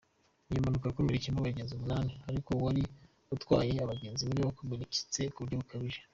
Iyi mpanuka yakomerekeyemo abagenzi umunani ariko uwari utwaye abagenzi niwe wakomeretse ku buryo bukabije.